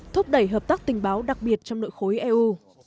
thúc đẩy hợp tác tình báo đặc biệt trong nội khối eu